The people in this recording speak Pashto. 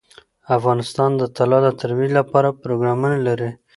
افغانستان د طلا د ترویج لپاره پروګرامونه لري.